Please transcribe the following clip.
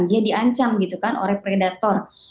dia diancam gitu kan oleh predator